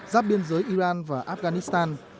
giáp biên giới iran và afghanistan